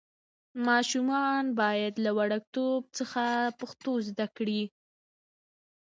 ماشومان باید له وړکتوب څخه پښتو زده کړي.